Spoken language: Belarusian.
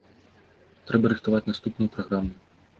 Трэба рыхтаваць наступную праграму.